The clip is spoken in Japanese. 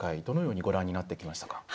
どのようにご覧になってきましたか。